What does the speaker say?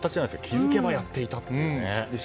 気付けばやっていたと。